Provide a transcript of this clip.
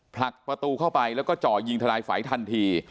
ผลักประตูเข้าไปแล้วก็จ่อยิงทนายฝัยทันที